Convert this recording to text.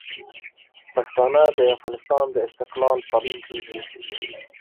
پښتانه د افغانستان د استقلال پالونکي دي.